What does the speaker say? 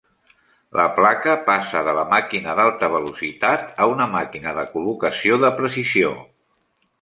La placa passa de la màquina d'alta velocitat a una màquina de col·locació de precisió.